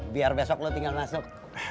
biar besok lu tinggal masuk